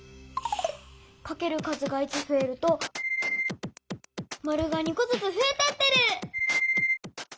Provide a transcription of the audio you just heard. かける数が１ふえるとマルが２こずつふえてってる！